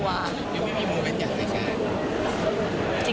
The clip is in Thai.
ยังไม่มีโมเวทอย่างให้ใช้